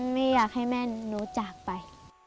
ไม่อยากให้แม่หนูจากไป